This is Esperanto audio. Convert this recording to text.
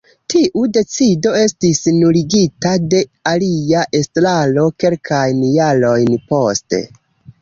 Tiu decido estis nuligita de alia estraro kelkajn jarojn poste.